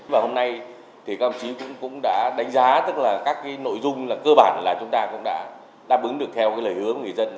và hôm nay thì các đồng chí cũng đã đánh giá tức là các nội dung cơ bản là chúng ta cũng đã đáp ứng được theo lời hứa của người dân